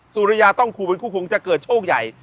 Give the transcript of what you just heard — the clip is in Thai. สุริยาต้องคู่เป็นคู่คงจะเกิดโชคใหญ่